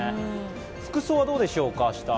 服装はどうでしょうか、明日。